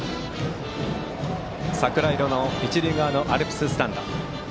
桜色の一塁側のアルプススタンド。